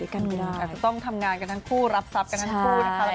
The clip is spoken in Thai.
อาจจะต้องทำงานกันทั้งคู่รับทรัพย์กันทั้งคู่นะคะ